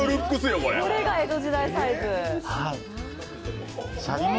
これが江戸時代サイズ。